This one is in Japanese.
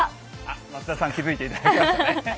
松田さん、気付いていただいていますね。